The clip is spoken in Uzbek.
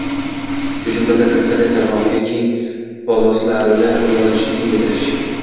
shu jumladan, Internet tarmog'iga keng polosali ulanishni kengaytirish